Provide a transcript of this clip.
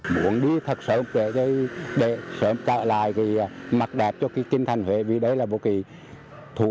muốn đi thật sớm để trả lại mặt đẹp cho kinh thành huế vì đấy là một kỳ thủ